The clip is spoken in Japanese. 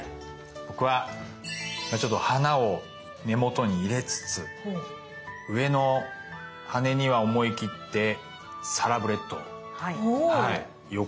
僕はちょっと花を根元に入れつつ上の羽には思い切ってサラブレッド横顔を入れました。